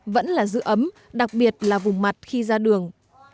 vẫn là giữ ấm đặc biệt là vùng mặt khi ra đường